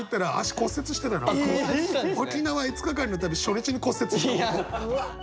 沖縄５日間の旅初日に骨折した男。